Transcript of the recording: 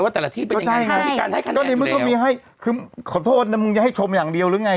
ว่าแต่ก็ข้อโทษนะมึงจะให้ชมอย่างเดียวหรือไง